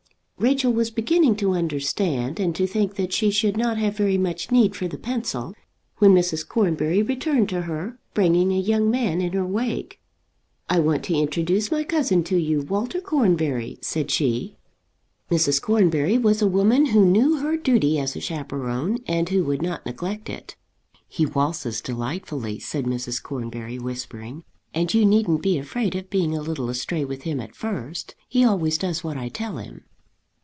Rachel was beginning to understand, and to think that she should not have very much need for the pencil, when Mrs. Cornbury returned to her, bringing a young man in her wake. "I want to introduce my cousin to you, Walter Cornbury," said she. Mrs. Cornbury was a woman who knew her duty as a chaperon, and who would not neglect it. "He waltzes delightfully," said Mrs. Cornbury, whispering, "and you needn't be afraid of being a little astray with him at first. He always does what I tell him."